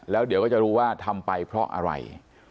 แล้วเดี๋ยวก็จะรู้ว่าทำไปเพราะอะไร